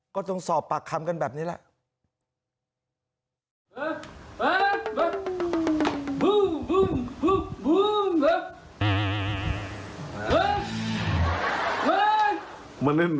ก็ต้องสอบปากคำกันแบบนี้แหละ